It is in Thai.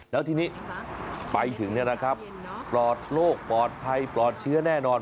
แล้วทีนี้ไปถึงเนี่ยนะครับปลอดโรคปลอดภัยปลอดเชื้อแน่นอน